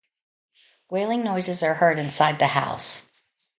Wailing noises are heard inside the house.